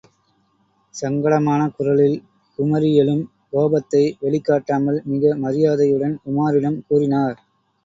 சங்கடமான குரலில் குமுறியெழும் கோபத்தை வெளிக்காட்டாமல் மிக மரியாதையுடன் உமாரிடம் கூறினார்.